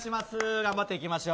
頑張っていきましょう。